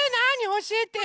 おしえてよ！